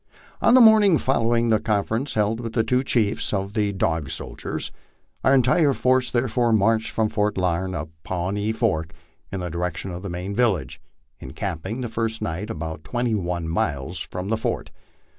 On the morning following the conference held with the two chiefs of the " Dog Soldiers," oir entire force therefore marched from Fort Larned up Pawnee Fork in the direction of the main village, encamping the first night about twenty one miles from the fort.